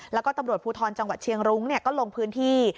แล้วก็ตำรวจภูทรจังหวัดเชียงรุ้งก็ลงพื้นที่